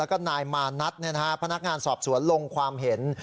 แล้วก็นายมานัดพนักงานสอบสวนลงความเห็น